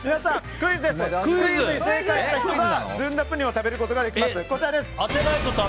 クイズに正解した人がずんだプリンを食べれることになります。